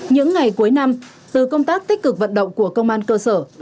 những ngày cuối năm từ công tác tích cực vận động của công an cơ sở